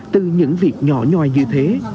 từ những việc nhỏ nhòi như thế